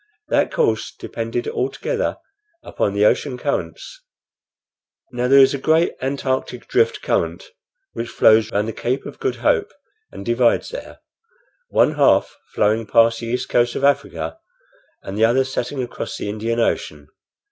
That course depended altogether upon the ocean currents. Now there is a great antarctic drift current, which flows round the Cape of Good Hope and divides there, one half flowing past the east coast of Africa and the other setting across the Indian Ocean.